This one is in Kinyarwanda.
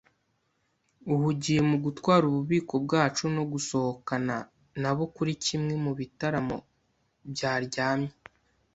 uhugiye mu gutwara ububiko bwacu no gusohokana nabo kuri kimwe mu bitaramo byaryamye